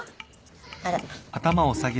あら。